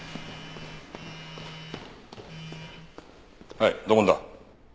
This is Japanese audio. はい土門だ。